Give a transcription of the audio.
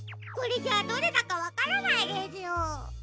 これじゃあどれだかわからないですよ。